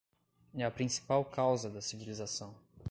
É a principal causa da civilização